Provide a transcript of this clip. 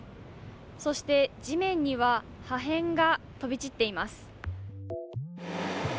そして、地面には破片が飛び散っています。